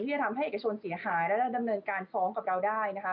จะทำให้เอกชนเสียหายและดำเนินการฟ้องกับเราได้